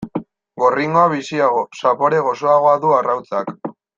Gorringoa biziago, zapore gozoagoa du arrautzak.